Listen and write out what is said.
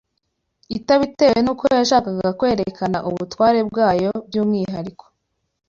itabitewe n’uko yashakaga kwerekana ubutware bwayo by’umwihariko